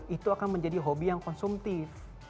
itu akan menjadi hobi yang konsumtif